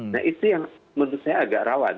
nah itu yang menurut saya agak rawan